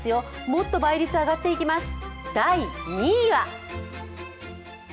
もっと倍率上がっていきます。